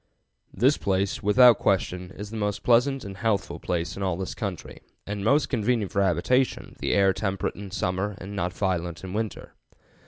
This place, without question, is the most pleasant and healthful place in all this country, and most convenient for habitation, the air temperate in summer and not violent in winter.